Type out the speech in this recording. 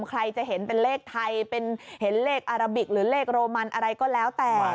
ใครจะเห็นเป็นเลขไทยเป็นเห็นเลขอาราบิกหรือเลขโรมันอะไรก็แล้วแต่